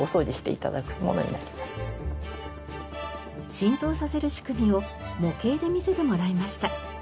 浸透させる仕組みを模型で見せてもらいました。